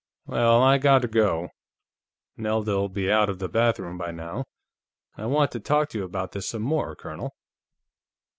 "Well, I got to go; Nelda'll be out of the bathroom by now. I want to talk to you about this some more, Colonel."